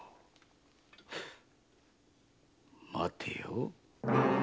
待てよ？